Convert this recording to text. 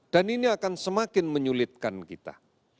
dan ini akan semakin menyulitkan kita